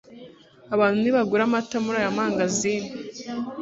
abantu ntibagura amata muriyi mangazini